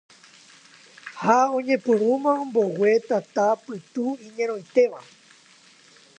Ha oñepyrũma ombogue tata pytu iñarõitéva